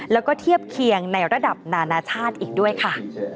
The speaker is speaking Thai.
แล้วก็เทียบเคียงในระดับนานาชาติอีกด้วยค่ะ